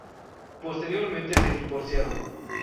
Posteriormente se divorciaron.